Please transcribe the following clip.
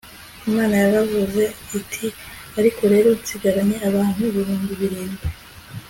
Imana yaravuze iti Ariko rero nsigaranye abantu ibihumbi birindwi